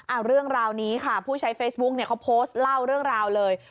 เอาเรื่องราวนี้ค่ะผู้ใช้เฟซบุ๊กเนี่ยเขาโพสต์เล่าเรื่องราวเลย